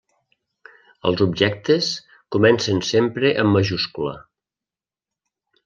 Els objectes comencen sempre amb majúscula.